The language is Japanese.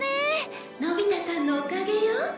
のび太さんのおかげよ。